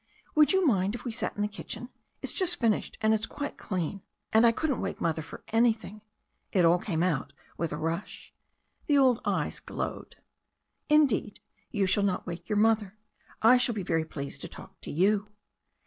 Would you mind if we sat in the kitchen? It's just finished, and it's quite clean. And I couldn't wake Mother for anything/* It all came out with a rush. The old eyes glowed. "Indeed, you shall not wake your mother. I shall be very pleased to talk to you."